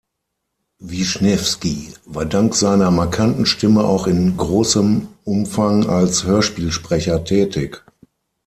Wischnewski war dank seiner markanten Stimme auch in großem Umfang als Hörspielsprecher tätig.